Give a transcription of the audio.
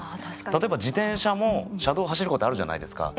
例えば自転車も車道走ることあるじゃないですか。